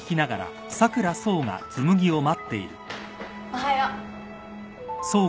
おはよう。